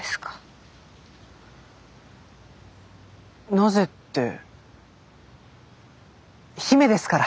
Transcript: なぜって姫ですから。